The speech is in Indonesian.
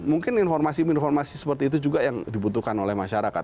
mungkin informasi informasi seperti itu juga yang dibutuhkan oleh masyarakat